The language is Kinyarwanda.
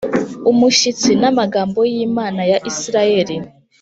umushyitsi n amagambo y Imana ya Isirayeli